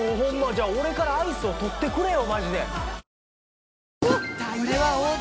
じゃあ俺からアイスをとってくれよ